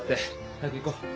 早く行こう。